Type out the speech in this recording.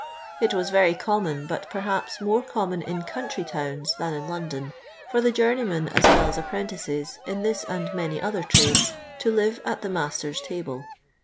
It wiis very common, but perliaps more common in country towns than in Loudon, fur the journey men, as well 0:1 apprentices, in this and nmuy other tnules to live at the master's table.